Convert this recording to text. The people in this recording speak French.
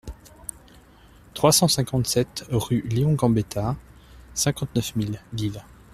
trois cent cinquante-sept rUE LEON GAMBETTA, cinquante-neuf mille Lille